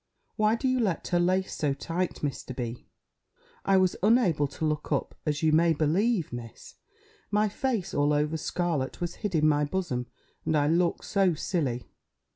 Why do you let her lace so tight, Mr. B.?" I was unable to look up, as you may believe, Miss: my face, all over scarlet, was hid in my bosom, and I looked so _silly!